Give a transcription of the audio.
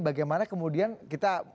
bagaimana kemudian kita